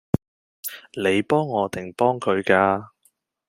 你幫我定幫佢㗎？